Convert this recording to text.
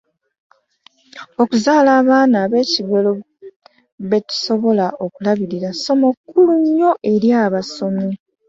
Okuzaala abaana ab’ekigero be tusobola okulabirira ssomo kkulu nnyo eri abasomi.